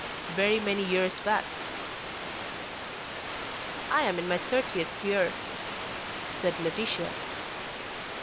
Very many years back." "I am in my thirtieth year," said Laetitia.